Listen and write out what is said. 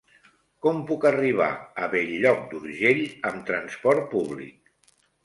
Com puc arribar a Bell-lloc d'Urgell amb trasport públic?